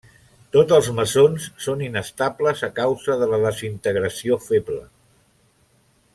Tots els mesons són inestables a causa de la desintegració feble.